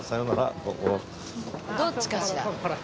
どっちかしら？